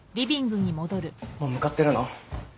もう向かってるの？